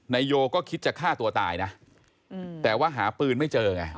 โยก็คิดจะฆ่าตัวตายนะแต่ว่าหาปืนไม่เจอไง